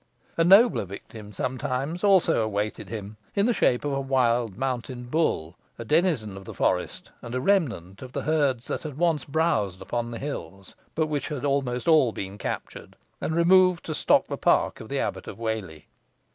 A nobler victim sometimes, also, awaited him in the shape of a wild mountain bull, a denizen of the forest, and a remnant of the herds that had once browsed upon the hills, but which had almost all been captured, and removed to stock the park of the Abbot of Whalley.